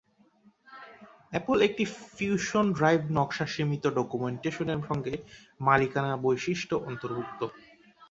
Apple এর fusion drive নকশা সীমিত ডকুমেন্টেশন সঙ্গে মালিকানা বৈশিষ্ট্য অন্তর্ভুক্ত।